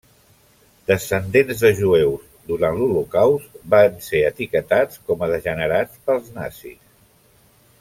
Descendent de jueus, durant l'Holocaust va ser etiquetat com a degenerat pels nazis.